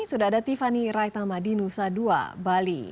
sudah ada tiffany raitama di nusa dua bali